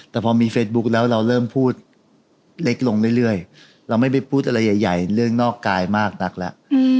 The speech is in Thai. แต่พอมีเฟซบุ๊คแล้วเราเริ่มพูดเล็กลงเรื่อยเราไม่ไปพูดอะไรใหญ่เรื่องนอกกายมากนักแล้ว